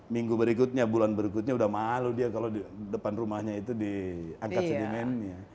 minggu berikutnya bulan berikutnya udah malu dia kalau di depan rumahnya itu diangkat sedimennya